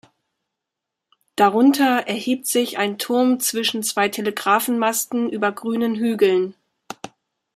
Darunter erhebt sich ein Turm zwischen zwei Telegrafen-Masten über grünen Hügeln.